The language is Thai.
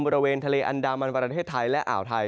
บริเวณทะเลอันดามันประเทศไทยและอ่าวไทย